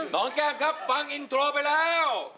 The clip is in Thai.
แก้มครับฟังอินโทรไปแล้ว